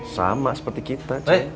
sama seperti kita ceng